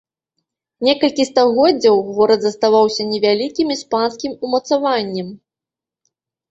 Некалькі стагоддзяў горад заставаўся невялікім іспанскім умацаваннем.